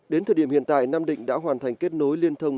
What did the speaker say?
đến thời điểm hiện tại nam định đã hoàn thành kết nối liên thông